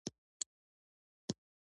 • د لوبې کتونکي په سټېډیوم کښېناستل.